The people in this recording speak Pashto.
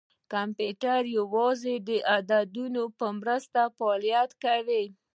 کمپیوټر یوازې د عددونو په مرسته فعالیت کوي.